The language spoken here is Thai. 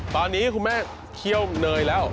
ตอนนี้คุณแม่เคี่ยวเนยแล้ว